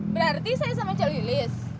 berarti saya sama cek lilis